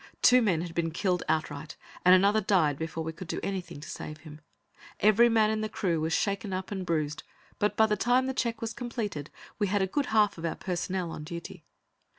Two men had been killed outright, and another died before we could do anything to save him. Every man in the crew was shaken up and bruised, but by the time the check was completed, we had a good half of our personnel on duty.